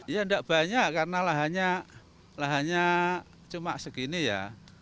ya tidak banyak karena lahannya cuma segini ya